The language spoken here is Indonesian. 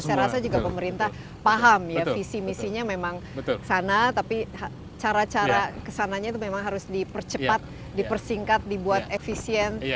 saya rasa juga pemerintah paham ya visi misinya memang sana tapi cara cara kesananya itu memang harus dipercepat dipersingkat dibuat efisien